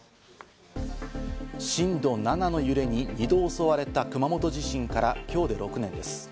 震度７の揺れに２度襲われた熊本地震から今日で６年です。